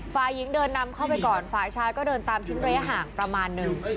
ฝ่ายหญิงเดินนำเข้าไปก่อนฝ่ายชายก็เดินตามทิ้งระยะห่างประมาณนึง